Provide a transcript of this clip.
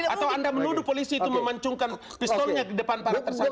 atau anda menuduh polisi itu memancungkan pistolnya di depan para tersangka